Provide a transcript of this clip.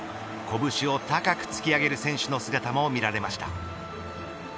拳を高く突き上げる選手の姿も見られました。